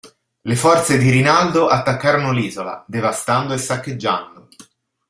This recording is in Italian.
Le forze di Rinaldo attaccarono l'isola, devastando e saccheggiando.